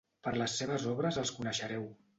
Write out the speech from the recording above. Per les seves obres els coneixereu.